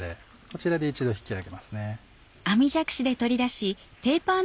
こちらで一度引き上げます。